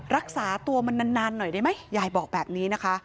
รักษาตัวมันนานหน่อยได้ไหมยายบอกแบบนี้นะคะ